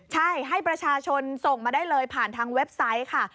ใช่ให้ประชาชนส่งมาได้เลยผ่านทางเว็บไซต์ค่ะ